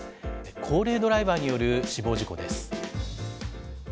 高齢ドライバーによる死亡事故です。